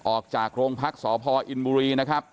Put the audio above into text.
ออกจากโรงพักษพออินบุรีนะครับ